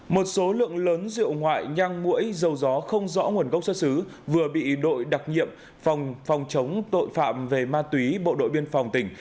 một số lượng lớn rượu ngoại nhang mũi dầu gió không rõ nguồn gốc xuất xứ vừa bị đội đặc nhiệm phòng phòng chống tội phạm về ma túy bộ đội biên phòng tỉnh